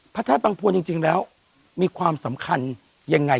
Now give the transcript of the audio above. พระธาตุบังพวนจริงแล้วมีความสำคัญยังไง